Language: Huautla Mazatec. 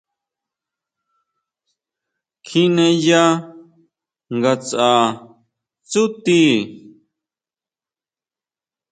Kjineya ngatsʼa tsúti.